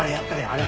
あれ。